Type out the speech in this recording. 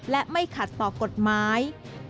และไม่ขัดต่อกฎหมาย